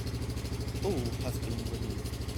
All have been removed.